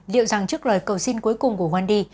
liệu rằng trước lời cầu xin cuối cùng của wandhi